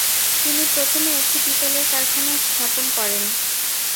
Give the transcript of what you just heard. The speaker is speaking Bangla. তিনি প্রথমে একটি পিতলের কারখানা স্থাপন করেন।